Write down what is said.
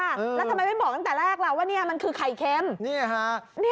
แล้วทำไมไม่บอกตั้งแต่แรกล่ะว่าเนี่ยมันคือไข่เค็มนี่ฮะ